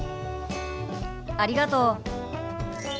ありがとう。